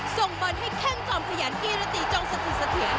ส่งบอลให้แข้งจอมพยานกีฤติจงสถิสเทียน